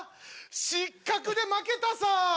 失格で負けたさ！